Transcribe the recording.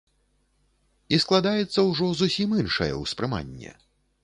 І складаецца ўжо зусім іншае ўспрыманне.